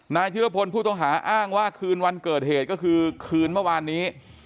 ธิรพลผู้ต้องหาอ้างว่าคืนวันเกิดเหตุก็คือคืนเมื่อวานนี้